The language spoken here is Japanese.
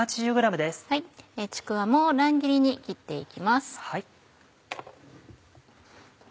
ちくわも乱切りに切って行きます。